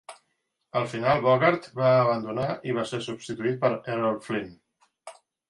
Al final, Bogart va abandonar i va ser substituït per Errol Flynn.